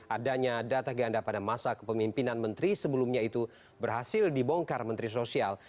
adanya data ganda pada masa kepemimpinan menteri sebelumnya itu berhasil dibongkar menteri sosial